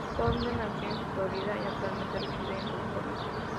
Thorne nació en Florida, y actualmente reside en California.